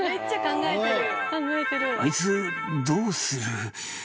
「あいつどうする？」